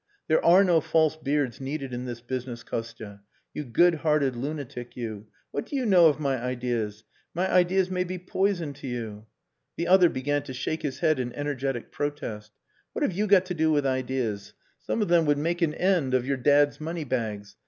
"There are no false beards needed in this business, Kostia you good hearted lunatic, you. What do you know of my ideas? My ideas may be poison to you." The other began to shake his head in energetic protest. "What have you got to do with ideas? Some of them would make an end of your dad's money bags.